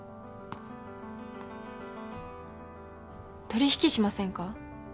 取引しませんか？